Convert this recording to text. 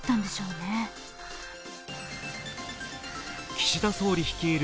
岸田総理率いる